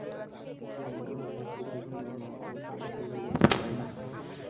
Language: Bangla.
আমরা নিজেদের খুশীর জন্যে মা থেকে তার বাচ্চাকে দূরে রাখতে পারি না।